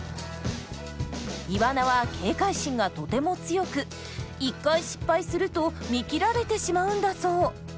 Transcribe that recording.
イワナは警戒心がとても強く１回失敗すると見切られてしまうんだそう。